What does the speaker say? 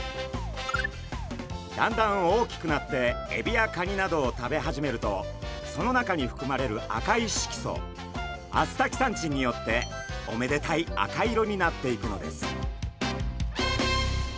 だんだん大きくなってエビやカニなどを食べ始めるとその中にふくまれる赤い色素アスタキサンチンによっておめでたい赤色になっていくのです。